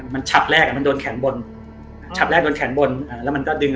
มันฉับแรกอ่ะมันโดนแขนบนฉับแรกโดนแขนบนอ่าแล้วมันก็ดึง